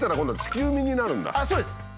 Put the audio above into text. そうです。